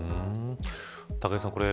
武井さん